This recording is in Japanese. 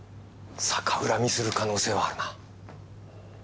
逆恨みする可能性はあるな。